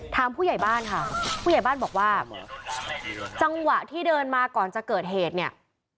ผู้ใหญ่บ้านค่ะผู้ใหญ่บ้านบอกว่าจังหวะที่เดินมาก่อนจะเกิดเหตุเนี่ย